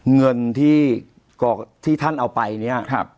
เงินที่ท่านเอาไปเนี่ย